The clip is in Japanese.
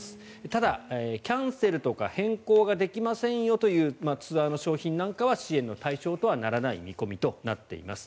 ただ、キャンセルとか変更ができませんよというツアーの商品なんかは支援の対象とはならない見込みとなっています。